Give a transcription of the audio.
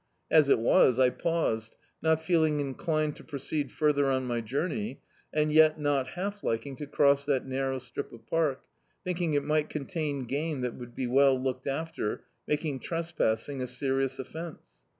As it was, I paused, not feeling inclined to proceed further on my journey, and yet not half liking to cross that narrow strip of park, thinking it mi^t conuin game that would be well looked after, making trespassing a serious offence.